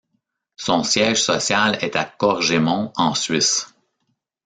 Son siège social est à Corgémont en Suisse.